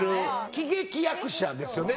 喜劇役者ですよね